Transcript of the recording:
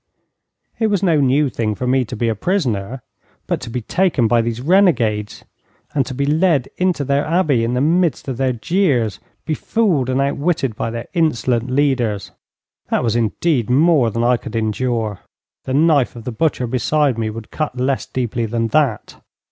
It was no new thing for me to be a prisoner; but to be taken by these renegades, and to be led into their Abbey in the midst of their jeers, befooled and out witted by their insolent leaders that was indeed more than I could endure. The knife of the butcher beside me would cut less deeply than that.